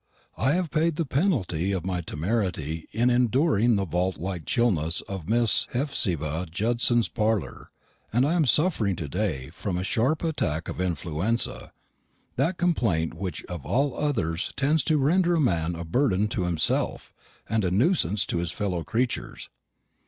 I have paid the penalty of my temerity in enduring the vault like chilliness of Miss Hephzibah Judson's parlour, and am suffering to day from a sharp attack of influenza; that complaint which of all others tends to render a man a burden to himself, and a nuisance to his fellow creatures.